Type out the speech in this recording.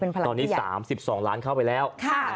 ตอนนี้๓๒ล้านเข้าไปแล้ว